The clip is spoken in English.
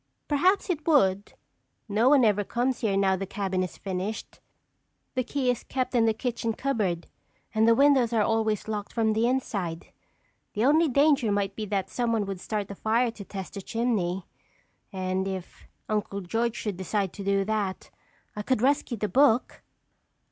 "Perhaps it would. No one ever comes here now the cabin is finished. The key is kept in the kitchen cupboard and the windows are always locked from the inside. The only danger might be that someone would start a fire to test the chimney. And if Uncle George should decide to do that, I could rescue the book."